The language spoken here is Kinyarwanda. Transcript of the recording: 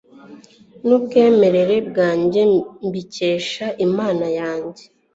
n'ubwemarare bwanjye mbukesha imana yanjye